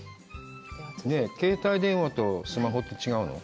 携帯電話とスマホって違うの？